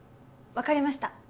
分かりました